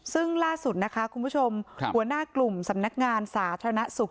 ซึ่งล่าสุดนะคะคุณผู้ชมหัวหน้ากลุ่มสำนักงานสาธารณสุข